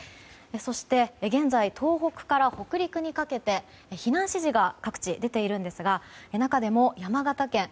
現在、東北から北陸にかけて避難指示が各地、出ているんですが中でも、山形県